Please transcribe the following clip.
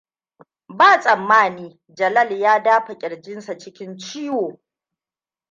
Ba tsammani, Jalal ya dafe ƙirjinsa cikin ciwo.